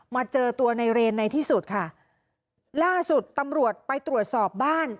มาเจอตัวในเรนในที่สุดค่ะล่าสุดตำรวจไปตรวจสอบบ้าน